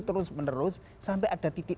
terus menerus sampai ada titik